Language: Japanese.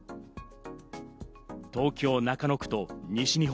東京・中野区と西日本。